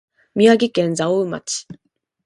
宮城県蔵王町